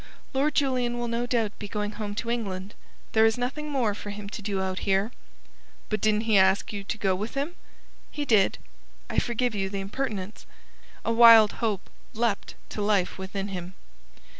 "Lord Julian will no doubt be going home to England. There is nothing more for him to do out here." "But didn't he ask you to go with him?" "He did. I forgive you the impertinence." A wild hope leapt to life within him.